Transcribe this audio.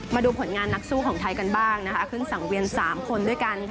มาดูผลงานนักสู้ของไทยกันบ้างนะคะขึ้นสังเวียน๓คนด้วยกัน